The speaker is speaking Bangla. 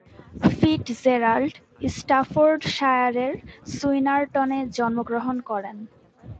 ফিট্জেরাল্ড স্টাফোর্ডশায়ারের সুইনারটনে জন্মগ্রহণ করেন।